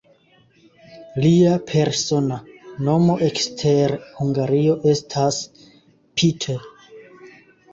Lia persona nomo ekster Hungario estas "Peter".